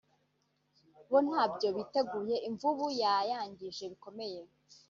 bo ntabyo biteguye Imvubu yayangije bikomeye